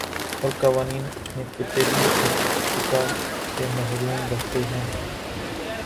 اور قوانین اپنے فطری ارتقا سے محروم رہتے ہیں